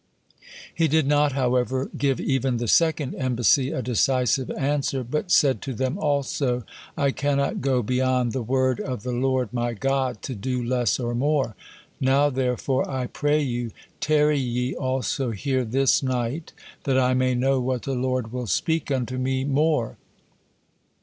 He did not, however, give even the second embassy a decisive answer, but said to them also, "I cannot go beyond the word of the Lord my God, to do less or more. Now therefore I pray you, tarry ye also here this night, that I may know what the Lord will speak unto me more."